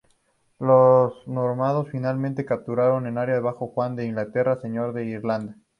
Los normandos finalmente capturaron esta área bajo Juan I de Inglaterra, Señor de Irlanda.